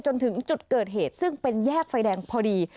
จนถึงจุดเกิดเหตุซึ่งเป็นแยกไฟแดงพอดี